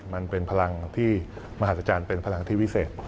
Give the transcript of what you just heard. มันเป็นพลังที่มหัศจรรย์เป็นพลังที่วิเศษ